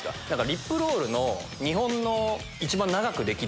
リップロールの。